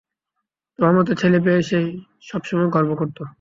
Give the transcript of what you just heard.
তোমার মত ছেলে পেয়ে সে সবসময় গর্ব করতো!